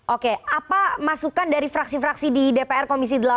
oke apa masukan dari fraksi fraksi di dpr komisi delapan